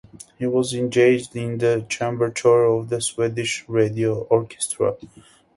He was engaged in the chamber choir of the Swedish Radio Orchestra.